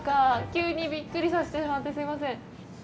急にびっくりさせてしまってすいません。